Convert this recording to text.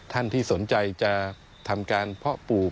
ท่านที่สนใจจะทำการเพาะปลูก